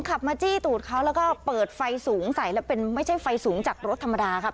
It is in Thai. ขับมาจี้ตูดเขาแล้วก็เปิดไฟสูงใส่แล้วเป็นไม่ใช่ไฟสูงจากรถธรรมดาครับ